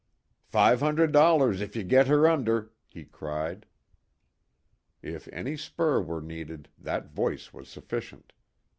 "Five hundred dollars if you get her under!" he cried. If any spur were needed, that voice was sufficient.